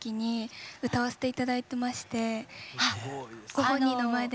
ご本人の前で。